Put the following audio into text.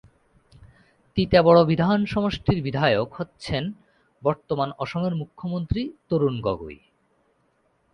তিতাবড় বিধান সমষ্টির বিধায়ক হচ্ছেন বর্তমান অসমের মুখ্যমন্ত্রী তরুণ গগৈ।